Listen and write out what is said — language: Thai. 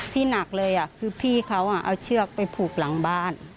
ที่หนักเลยคือพี่เขาเอาเชือกไปผูกหลังบ้าน